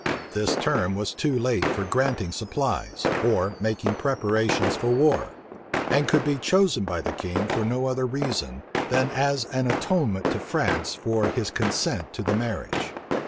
This term was too late for granting supplies, or making preparations for war; and could be chosen by the king for no other reason, than as an atonement to France for his consent to the marriage.